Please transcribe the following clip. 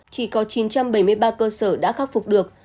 chỉ có chín trăm bảy mươi ba cơ sở đã khắc phục được